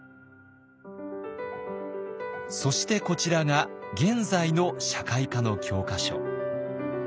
そしてこちらが現在の社会科の教科書。